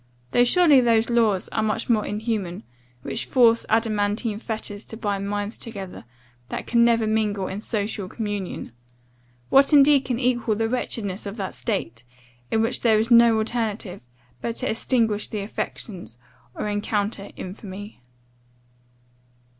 though surely those laws are much more inhuman, which forge adamantine fetters to bind minds together, that never can mingle in social communion! What indeed can equal the wretchedness of that state, in which there is no alternative, but to extinguish the affections, or encounter infamy?